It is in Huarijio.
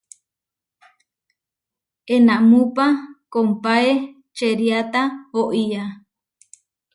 Enámupa kompáe čeriáta oʼía.